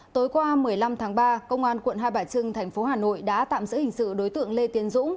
tối qua một mươi năm tháng ba công an quận hai bà trưng thành phố hà nội đã tạm giữ hình sự đối tượng lê tiến dũng